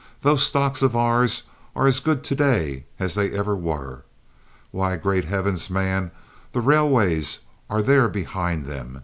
Those stocks of ours are as good to day as they ever were. Why, great heavens, man, the railways are there behind them.